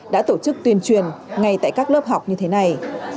đã tổ chức tuyên truyền ngay tại các lớp học như thế này